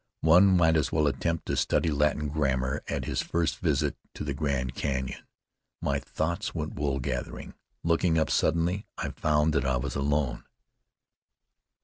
One might as well attempt to study Latin grammar at his first visit to the Grand Cañon. My thoughts went wool gathering. Looking up suddenly, I found that I was alone.